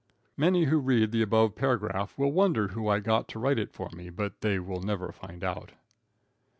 Many who read the above paragraph will wonder who I got to write it for me, but they will never find out.